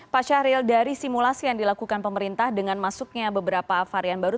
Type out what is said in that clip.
pak syahril dari simulasi yang dilakukan pemerintah dengan masuknya beberapa varian baru